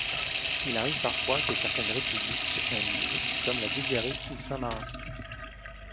Il arrive parfois que certaines républiques en usent, comme la Bulgarie ou Saint-Marin.